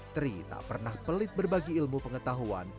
tri tak pernah pelit berbagi ilmu pengetahuan